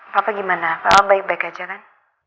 papa gimana baik baik aja kan